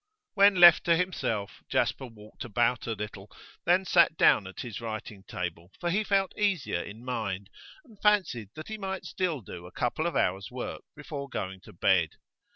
When left to himself Jasper walked about a little, then sat down at his writing table, for he felt easier in mind, and fancied that he might still do a couple of hours' work before going to bed.